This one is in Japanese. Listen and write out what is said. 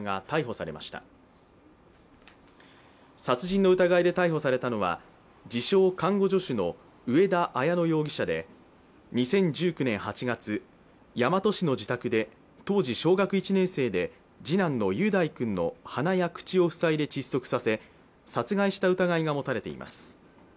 殺人の疑いで逮捕されたのは自称・看護助手の上田綾乃容疑者で、２０１９年８月大和市の自宅で当時小学１年生で次男の雄大君の鼻や口を塞いで窒息させ殺害した疑いが持たれています。